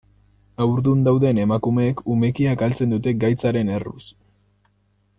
Haurdun dauden emakumeek umekia galtzen dute gaitzaren erruz.